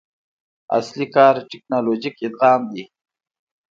اصلي کار ټکنالوژیک ادغام دی.